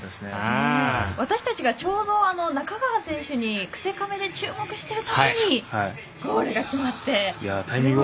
私たちがちょうど仲川選手にクセカメで注目しているときにゴールが決まって。